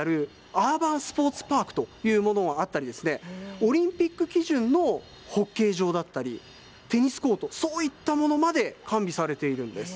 アーバンスポーツパークというものもあったりですね、オリンピック基準のホッケー場だったり、テニスコート、そういったものまで完備されているんです。